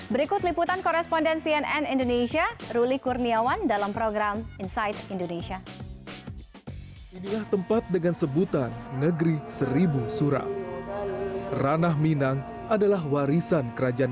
berikut liputan koresponden cnn indonesia ruli kurniawan